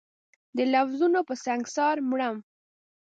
د لفظونو په سنګسار مرم